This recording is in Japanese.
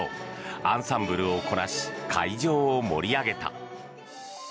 アンサンブルをこなし会場を盛り上げた。